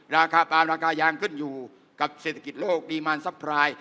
ราคาปาล์มราคายางขึ้นอยู่กับเศรษฐกิจโลกปริมาณซัพพราย